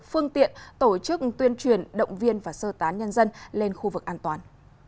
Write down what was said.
phương tiện tổ chức tuyên truyền động viên và sơ tán nhân dân lên khu vực an toàn